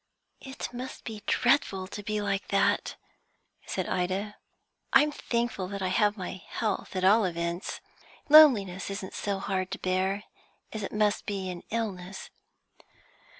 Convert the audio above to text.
"It must be dreadful to be like that," said Ida. "I'm thankful that I have my health, at all events. Loneliness isn't so hard to bear, as it must be in illness."